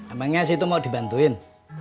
emangnya sih itu mau dibantuin